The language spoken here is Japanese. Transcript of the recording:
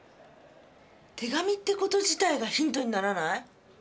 手紙って事自体がヒントにならない？